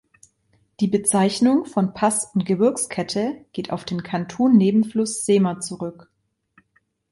Die Bezeichnung von Pass und Gebirgskette geht auf den Katun-Nebenfluss Sema zurück.